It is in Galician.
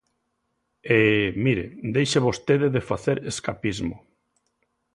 E, mire, deixe vostede de facer escapismo.